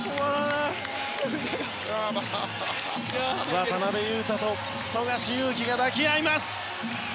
渡邊雄太と富樫勇樹が抱き合います。